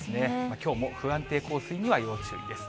きょうも不安定降水には要注意です。